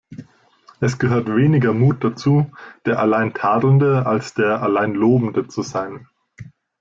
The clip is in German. Es gehört weniger Mut dazu, der allein Tadelnde, als der allein Lobende zu sein.